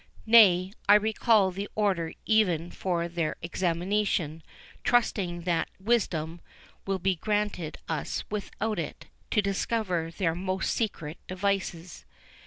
Nay, I recall the order even for their examination, trusting that wisdom will be granted us without it, to discover their most secret devices."